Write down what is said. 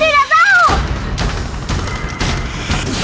aku tidak tahu dimana guru